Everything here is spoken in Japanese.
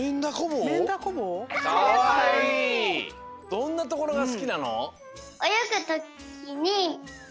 どんなところがすきなの？